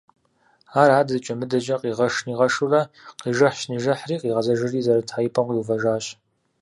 Ар адэкӀэ-мыдэкӀэ къигъэш-нигъэшурэ, къижыхьщ-нижыхьри къигъэзэжри зэрыта и пӀэм къиувэжащ.